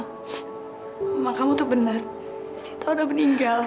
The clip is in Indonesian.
mama kamu tuh benar sita udah meninggal